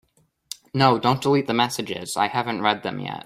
No, don’t delete the messages, I haven’t read them yet.